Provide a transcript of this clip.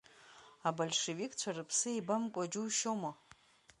Абольшевикцәа рыԥсы еибамкуа џьушьома.